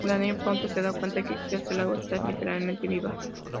Daniel pronto se da cuenta, que quizás el agua esta literalmente viva.